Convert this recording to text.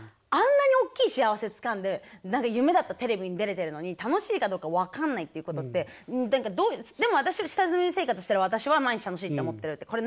あんなにおっきい幸せつかんで何か夢だったテレビに出れてるのに楽しいかどうか分かんないっていうことってでも下積み生活してる私は毎日楽しいって思ってるって